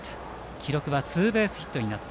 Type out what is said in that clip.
記録はツーベースヒットです。